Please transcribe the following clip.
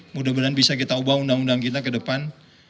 mudah mudahan bisa kita ubah undang undang kita ke depan